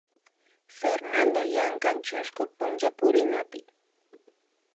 Fernando llankan chusku punchapurinapi